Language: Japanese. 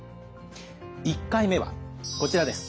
１回目はこちらです。